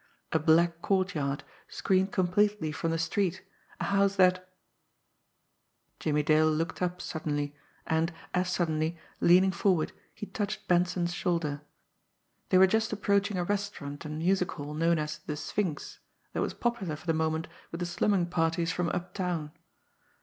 A black courtyard, screened completely from the street; a house that Jimmie Dale looked up suddenly, and, as suddenly, leaning forward, he touched Benson's shoulder. They were just approaching a restaurant and music hall known as "The Sphinx," that was popular for the moment with the slumming parties from uptown.